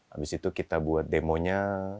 habis itu kita buat demo nya